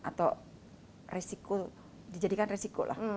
atau risiko dijadikan risikolah